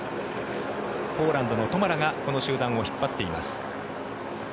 ポーランドのトマラがこの集団を引っ張っています。